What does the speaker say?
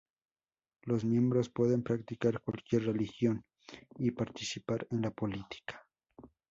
Los miembros pueden practicar cualquier religión y participar en la política.